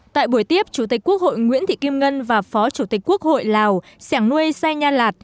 phó chủ tịch quốc hội nguyễn thị kim ngân và phó chủ tịch quốc hội lào sẻng nuôi say nha lạt